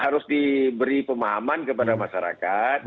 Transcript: harus diberi pemahaman kepada masyarakat